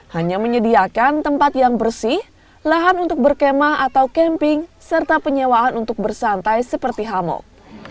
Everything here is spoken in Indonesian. hanya menyediakan tempat yang bersih lahan untuk berkemah atau camping serta penyewaan untuk bersantai seperti hamok